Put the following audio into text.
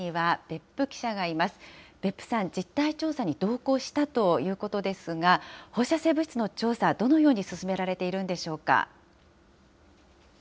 別府さん、実態調査に同行したということですが、放射性物質の調査、どのように進められているんでしょうか。